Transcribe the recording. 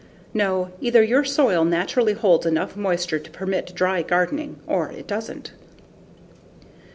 No, either your soil naturally holds enough moisture to permit dry gardening, or it doesn't.